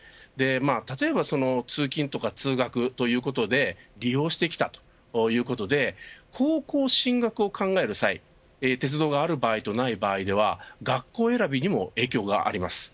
例えば通勤とか通学ということで利用してきたということで高校進学を考える際鉄道がある場合とない場合では学校選びにも影響があります。